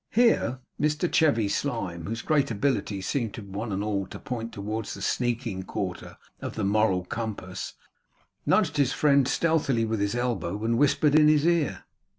Here Mr Chevy Slyme, whose great abilities seemed one and all to point towards the sneaking quarter of the moral compass, nudged his friend stealthily with his elbow, and whispered in his ear.